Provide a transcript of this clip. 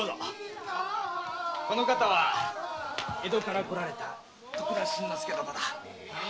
この方は江戸から来られた徳田新之助殿だ。